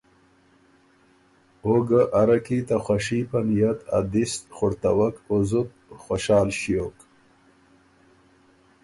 او ګه اره کی ته خوشي په نئت ا دِس خُړتَوک او زُت خوشال ݭیوک۔